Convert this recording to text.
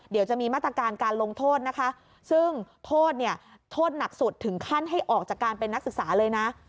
เดี๋ยวจะมีมาตรการการลงโทษนะคะซึ่งโทษเนี่ยโทษหนักสุดถึงขั้นให้ออกจากการเป็นนักศึกษาเลยนะ